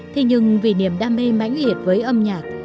thế nhưng vì niềm đam mê mãnh liệt với âm nhạc